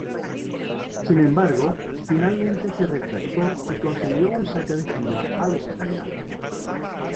Sin embargo, finalmente se retractó y concedió un saque de esquina a los italianos.